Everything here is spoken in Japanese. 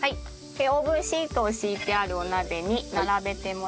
オーブンシートを敷いてあるお鍋に並べてもらって。